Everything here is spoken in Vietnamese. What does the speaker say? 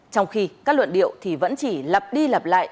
trong khi các luận điệu thì vẫn chỉ lập đi lập lại